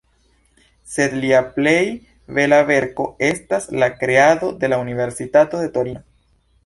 Sed lia plej bela verko estas la kreado de la universitato de Torino.